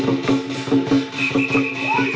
เป็นคนที่ละครียง